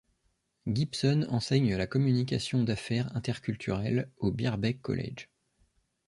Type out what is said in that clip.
Gibson enseigne la communication d'affaires interculturelle au Birkbeck College.